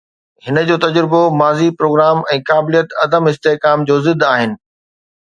هن جو تجربو، ماضي، پروگرام ۽ قابليت عدم استحڪام جو ضد آهن.